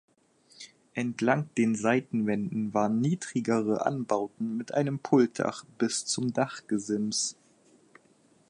Entlang den Seitenwänden waren niedrigere Anbauten mit einem Pultdach bis zum Dachgesims.